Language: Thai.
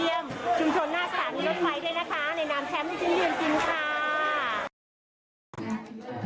ในนามแคมป์ลูกชิ้นยืนกินค่ะ